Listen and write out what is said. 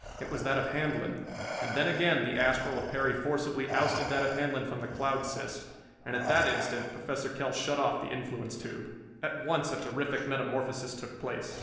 It was that of Handlon. And then again the astral of Perry forcibly ousted that of Handlon from the cloud cyst. And at that instant Professor Kell shut off the influence tube. At once a terrific metamorphosis took place.